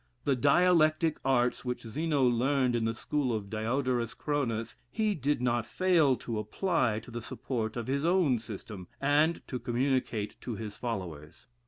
The dialectic arts which Zeno learned in the school of Diodorus Chronus, he did not fail to apply to the support of his own system, and to communicate to bis followers.